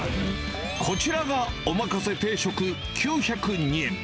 こちらが、おまかせ定食９０２円。